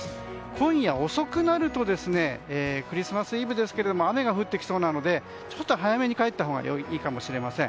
今夜遅くになるとクリスマスイブですが雨が降ってきそうなのでちょっと早めに帰ったほうがいいかもしれません。